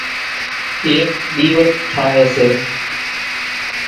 ايڪ ۮيوٽ ٺاۿي سي